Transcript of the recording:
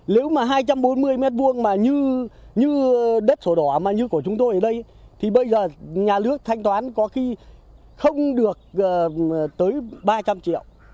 nếu mà hai trăm bốn mươi m hai mà như đất sổ đỏ mà như của chúng tôi ở đây thì bây giờ nhà nước thanh toán có khi không được tới ba trăm linh triệu